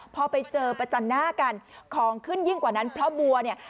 พอไปเจอประจันหน้ากันของขึ้นยิ่งกว่านั้นเพราะบัวเนี่ย